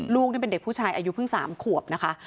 ลูกนี่เป็นเด็กผู้ชายอายุเพิ่ง๓ขวบนะคะ